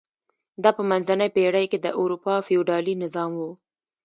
دا په منځنۍ پېړۍ کې د اروپا فیوډالي نظام و.